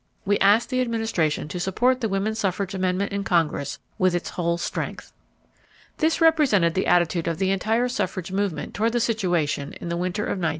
We ask the Administration to support the woman suffrage amendment in Congress with its whole strength." This represented the attitude of the entire suffrage movement toward the situation in the winter of 1913.